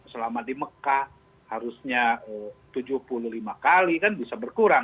selama di mekah harusnya tujuh puluh lima kali kan bisa berkurang